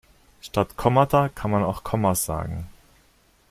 Statt Kommata kann man auch Kommas sagen.